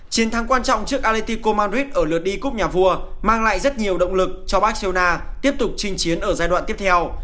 chiến thắng quan trọng trước aritico madrid ở lượt đi cúc nhà vua mang lại rất nhiều động lực cho barcelona tiếp tục trinh chiến ở giai đoạn tiếp theo